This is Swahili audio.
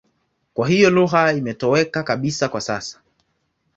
Kwa hiyo lugha imetoweka kabisa kwa sasa.